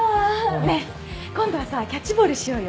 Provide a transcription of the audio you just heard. ねっ今度はさキャッチボールしようよ。